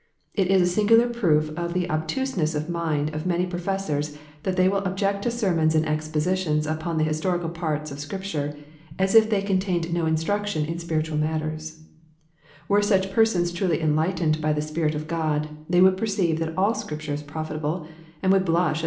It is a singular proof of the obtuseness of mind of many professors that they will object to sermons and expositions upon the historical parts of Scripture^ as if they contained no instruction in spir itual matters : were such persons truly enlightened by Vie l^irit qf Ood, they uxmld perceive that all Scripture is profitable^ and would blush at ih!